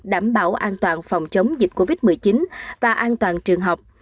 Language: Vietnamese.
đảm bảo an toàn phòng chống dịch covid một mươi chín và an toàn trường học